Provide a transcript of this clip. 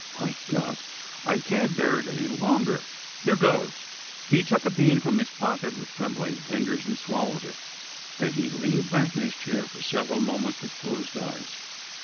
My God, I can't bear it any longer! Here goes!" He took a bean from his pocket with trembling fingers and swallowed it. Then he leaned back in his chair for several moments with closed eyes.